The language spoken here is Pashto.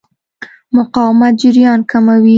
مقاومت جریان کموي.